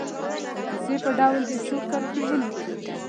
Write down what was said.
د کیسې په ډول دې څو کرښې ولیکي.